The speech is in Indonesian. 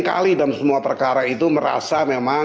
maka ini sudah terbaik kemudian hakim akan memutus kurang dari dakwaan